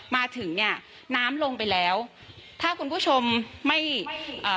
มาถึงเนี้ยน้ำลงไปแล้วถ้าคุณผู้ชมไม่เอ่อ